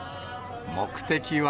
目的は。